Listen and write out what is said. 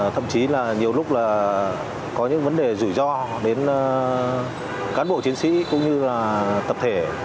thậm chí là nhiều lúc là có những vấn đề rủi ro đến cán bộ chiến sĩ cũng như là tập thể